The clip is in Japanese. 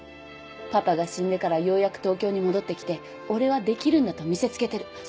パパが死んでからようやく東京に戻ってきて俺はできるんだと見せつけてる。